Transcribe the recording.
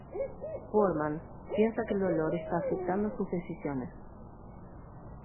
Foreman piensa que el dolor está afectando sus decisiones.